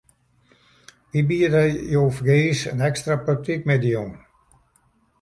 Wy biede jo fergees in ekstra praktykmiddei oan.